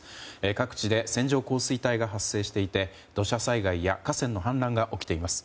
各地で線状降水帯が発生していて土砂災害や河川の氾濫が起きています。